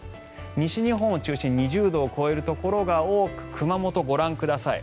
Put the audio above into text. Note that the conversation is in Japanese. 西日本を中心に２０度を超えるところが多く熊本、ご覧ください。